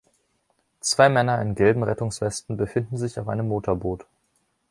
Zwei Männer in gelben Rettungswesten befinden sich auf einem Motorboot.